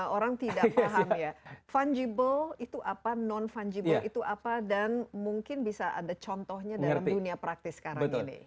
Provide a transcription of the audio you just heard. orang tidak paham ya fungible itu apa non fungible itu apa dan mungkin bisa ada contohnya dalam dunia praktis sekarang ini